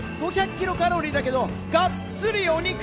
キロカロリーだけれども、がっつりお肉！